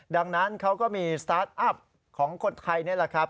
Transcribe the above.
ดังนั้นเขาก็มีสตาร์ทอัพของคนไทยนี่แหละครับ